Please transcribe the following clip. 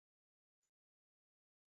বন উজাড় করে আপনি এই কলেজ তৈরি করেছেন।